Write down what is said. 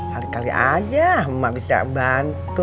kali kali aja emak bisa bantu